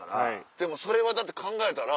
でもそれはだって考えたら。